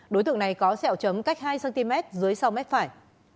đối tượng này có sẹo chấm cách hai cm dưới sau mép phải